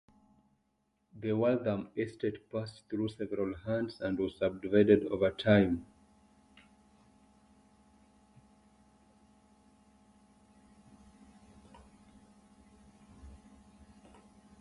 The Waltham estate passed through several hands and was subdivided over time.